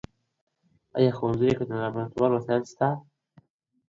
ایا په ښوونځیو کي د لابراتوار وسایل سته؟